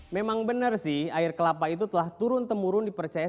memang benar sih air kelapa itu telah turun temurun dipercaya